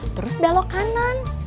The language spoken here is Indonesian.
terus belok kanan